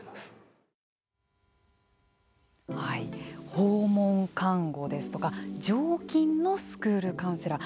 訪問看護ですとか常勤のスクールカウンセラー